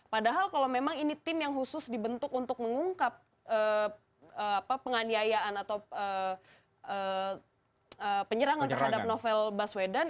padahal kalau memang ini tim yang khusus dibentuk untuk mengungkap penganiayaan atau penyerangan terhadap novel baswedan